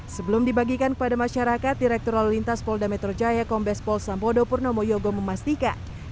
sebelum dibagikan kepada masyarakat direktur lalu lintas polda metro jaya kombes pol sampodo purnomo yogo memastikan